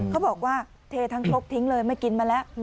เขาบอกว่าเททั้งครกทิ้งเลยไม่กินมาแล้ว